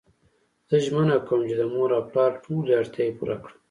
زه ژمنه کوم چی د مور او پلار ټولی اړتیاوی پوره کړم